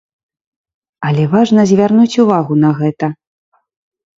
Але важна звярнуць увагу на гэта.